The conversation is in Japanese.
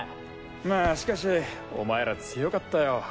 まあしかしお前ら強かったよ。